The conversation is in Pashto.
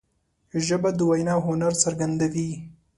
ژبه د وینا هنر څرګندوي